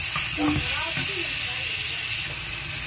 தராசு என்றால் என்ன?